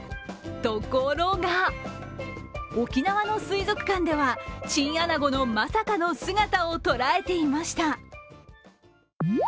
ところが沖縄の水族館では、チンアナゴのまさかの姿を捉えていました。